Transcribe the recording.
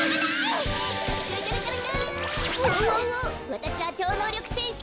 わたしはちょうのうりょくせんし